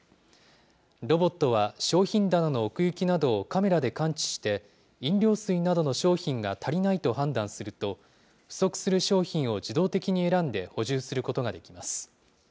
ロボットは、商品棚の奥行などをカメラで感知して、飲料水などの商品が足りないと判断すると、不足する商品を自動的に選んで補充することができます。